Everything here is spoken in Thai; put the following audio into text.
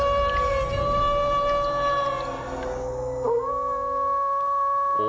โอ้วอ้าว